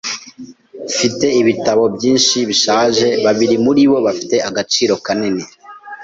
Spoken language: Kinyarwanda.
Mfite ibitabo byinshi bishaje. Babiri muri bo bafite agaciro kanini.